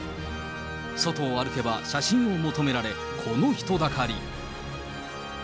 外を歩けば写真を求められ、この人だかり。